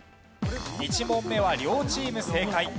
１問目は両チーム正解。